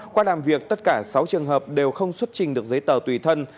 qua làm việc tất cả sáu trường hợp đều không xuất trình được giấy tờ tùy thân